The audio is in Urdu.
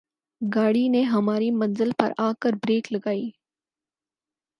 گاڑی نے ہماری منزل پر آ کر بریک لگائی